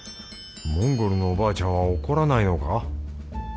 モンゴルのおばあちゃんは怒らないのか？